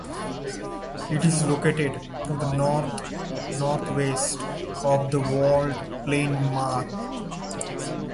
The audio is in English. It is located to the north-northwest of the walled plain Mach.